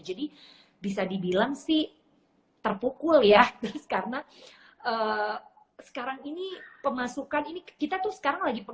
jadi bisa dibilang sih terpukul ya karena sekarang ini pemasukan ini kita tuh sekarang lagi ya